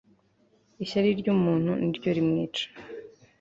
ishyari ryumuntu niryo rimwica